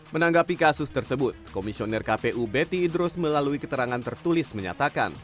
menanggapi kasus tersebut komisioner kpu betty idrus melalui keterangan tertulis menyatakan